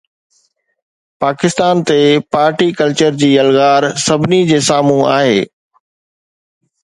پاڪستان تي ڀارتي ڪلچر جي یلغار سڀني جي سامهون آهي